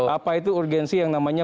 apa itu urgensi yang namanya